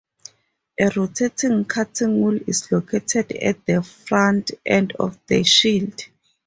A rotating cutting wheel is located at the front end of the shield.